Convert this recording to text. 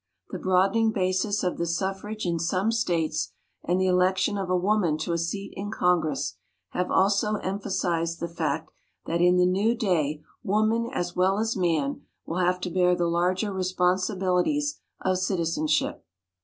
The broadening basis of the suf frage in some states and the election of a woman to a seat in Congress have also em phasized the fact that in the new day woman as well as man will have to bear the larger responsibilities of citizenship.